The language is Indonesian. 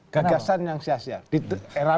gagasan yang sia sia di era